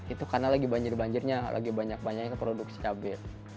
itu karena lagi banjir banjirnya lagi banyak banyaknya produksi cabai